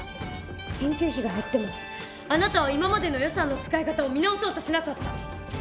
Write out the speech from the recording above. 研究費が減ってもあなたは今までの予算の使い方を見直そうとしなかった。